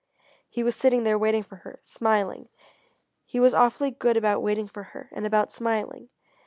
He was sitting there waiting for her, smiling. He was awfully good about waiting for her, and about smiling.